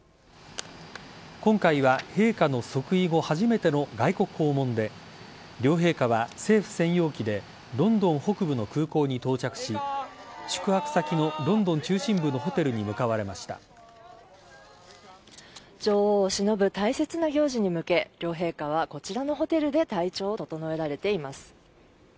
今回は陛下の即位後初めての外国訪問で両陛下は政府専用機でロンドン北部の空港に到着し宿泊先のロンドン中心部のホテルに女王をしのぶ大切な行事に向け両陛下はこちらのホテルで体調を整えられています。